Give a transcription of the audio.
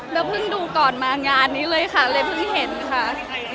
แล้วเพิ่งดูก่อนมางานนี้เลยค่ะเลยเพิ่งเห็นค่ะ